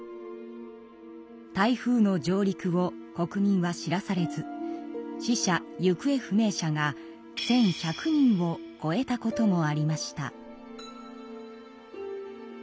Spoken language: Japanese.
台風の上陸を国民は知らされず死者・行方不明者が１，１００人をこえたこともありました。